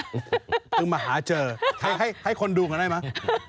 ตึงมาหาเจอให้คนดูกันได้มั้ย